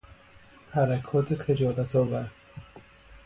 حرکات خجالت آور